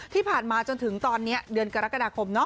ที่ผ่านมาจนถึงตอนนี้เดือนกรกฎาคม